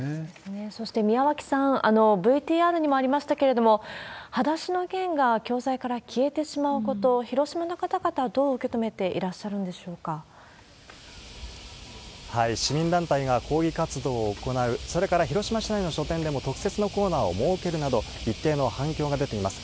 そして宮脇さん、ＶＴＲにもありましたけれども、はだしのゲンが教材から消えてしまうこと、広島の方々、どう受け止めていら市民団体が抗議活動を行う、それから広島市内の書店でも特設のコーナーを設けるなど、一定の反響が出ています。